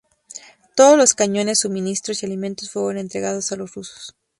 Todos los cañones, suministros y alimentos fueron entregados a los rusos.